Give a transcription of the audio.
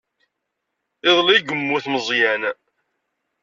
Iḍelli i yemmut Meẓyan.